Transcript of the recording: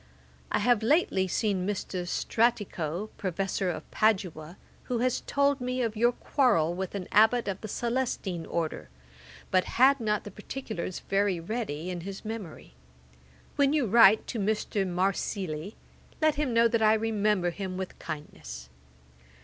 'I have lately seen Mr. Stratico, Professor of Padua, who has told me of your quarrel with an Abbot of the Celestine order; but had not the particulars very ready in his memory. When you write to Mr. Marsili, let him know that I remember him with kindness.